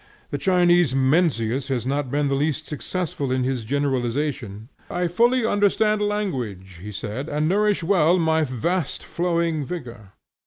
The Chinese Mencius has not been the least successful in his generalization. "I fully understand language," he said, "and nourish well my vast flowing vigor."